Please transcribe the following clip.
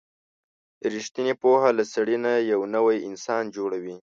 رښتینې پوهه له سړي نه یو نوی انسان جوړوي.